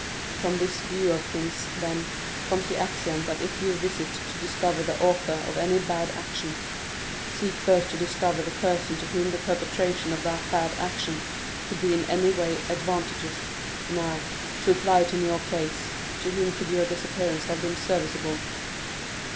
From this view of things, then, comes the axiom that if you visit to discover the author of any bad action, seek first to discover the person to whom the perpetration of that bad action could be in any way advantageous. Now, to apply it in your case,—to whom could your disappearance have been serviceable?"